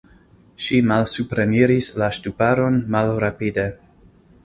Ŝi malsupreniris la ŝtuparon malrapide.